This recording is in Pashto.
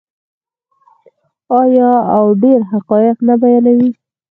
آیا او ډیر حقایق نه بیانوي؟